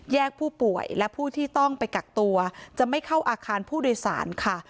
ผู้ป่วยและผู้ที่ต้องไปกักตัวจะไม่เข้าอาคารผู้โดยสารค่ะ